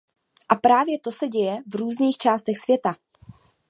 A právě to se děje v různých částech světa.